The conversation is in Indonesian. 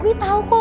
gue tau kok